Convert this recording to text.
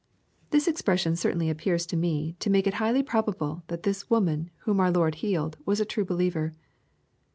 l This expression certainly appears to me to make it highly probable, that this woman whom ouf Lord healed, was a true believer.